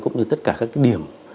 cũng như tất cả các điểm